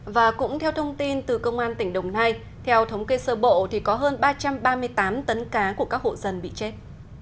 và cũng theo thông tin từ công an tỉnh đồng nai theo thống kê sơ bộ thì có hơn ba trăm ba mươi tám tấn cá của các hộ dân bị chết